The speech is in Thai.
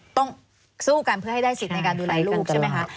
ต้องสู้กันเพื่อให้ได้สิทธิ์ในการดูแลลูกใช่ไหมคะ